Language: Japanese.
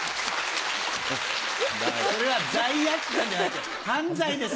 それは罪悪感じゃなくて犯罪です